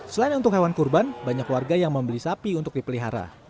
selain untuk hewan kurban banyak warga yang membeli sapi untuk dipelihara